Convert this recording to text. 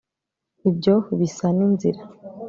Ibyo bisa ninzira